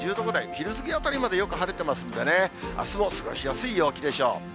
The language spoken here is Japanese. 昼過ぎあたりまでよく晴れてますんでね、あすも過ごしやすい陽気でしょう。